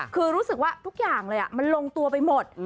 คือรู้สึกว่าทุกอย่างเลยมันลงตัวไปหมด